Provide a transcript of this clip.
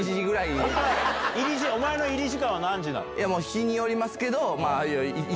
日によりますけど。